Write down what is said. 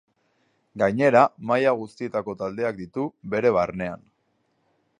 Gainera maila guztietako taldeak ditu bere barnean.